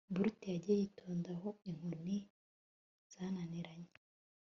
brute yagiye yitonda aho inkoni zananiranye